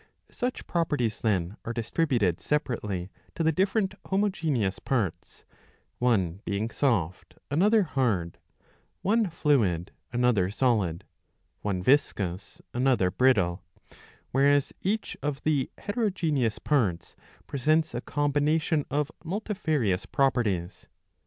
Such properties then are distributed separately to the different homogeneous parts, one being soft another hard, one fluid another solid, one viscous another brittle ; whereas each of the heterogeneous parts presents a combination of multifarious properties.